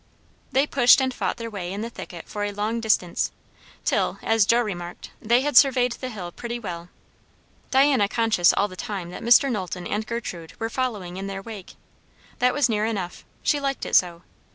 They pushed and fought their way in the thicket for a long distance, till, as Joe remarked, they had surveyed the hill pretty well; Diana conscious all the time that Mr. Knowlton and Gertrude were following in their wake. That was near enough. She liked it so.